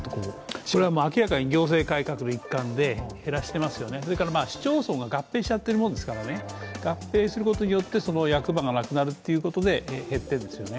これは明らかに行政改革の一環で減らしてますよね、それから市町村が合併してるもんですから合併することによって役場がなくなるっていうことで減ってるんですね。